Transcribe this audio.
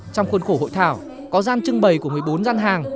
trong khuôn khổ hội thảo có gian trưng bày của một mươi bốn gian hàng